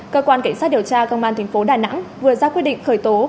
cơ quan cảnh sát điều tra công an thành phố đà nẵng vừa ra quyết định khởi tố